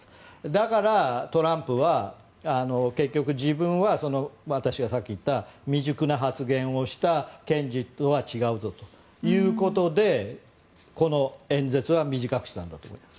だから、トランプは結局、自分は私がさっき言った未熟な発言をした検事とは違うぞということでこの演説は短くしたんだと。